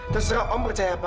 terserah om percaya